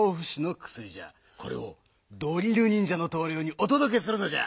これをドリルにんじゃのとうりょうにおとどけするのじゃ。